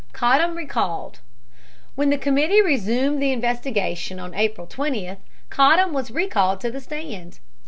COTTAM RECALLED When the committee resumed the investigation on April 20th, Cottam was recalled to the stand.